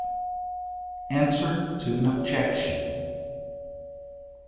Answer to an objection.